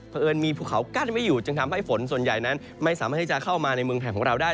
เพราะเอิญมีภูเขากั้นไว้อยู่จึงทำให้ฝนส่วนใหญ่นั้นไม่สามารถที่จะเข้ามาในเมืองไทยของเราได้